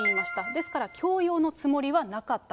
ですから強要のつもりはなかったと。